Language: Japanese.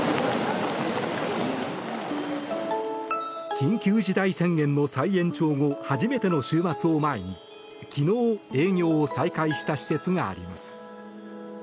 緊急事態宣言の再延長後初めての週末を前に昨日営業を再開した施設があります。